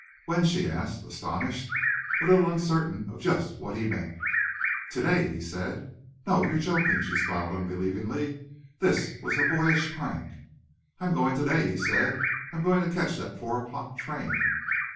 "When?" she asked, astonished, a little uncertain of just what he meant. "Today," he said. "No, you're joking." She smiled unbelievingly. This was a boyish prank. "I'm going today," he said. "I'm going to catch that four o'clock train."